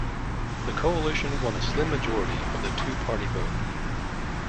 The Coalition won a slim majority of the two-party vote.